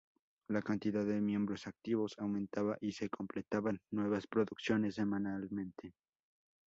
La cantidad de miembros activos aumentaba, y se completaban nuevas producciones semanalmente.